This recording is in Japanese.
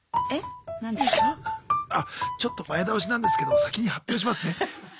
あちょっと前倒しなんですけど先に発表しますね。